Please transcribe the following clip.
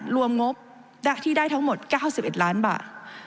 งบที่ได้ทั้งหมด๙๑ล้านบาท